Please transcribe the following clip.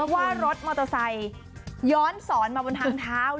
ว่ารถมอเตอร์ไซค์ย้อนสอนมาบนทางเท้า